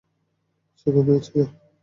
সে ঘুমিয়ে ছিল।